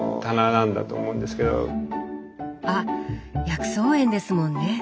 あ薬草園ですもんね！